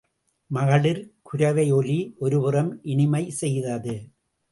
மகளிர் குரவையொலி ஒருபுறம் இனிமை செய்தது.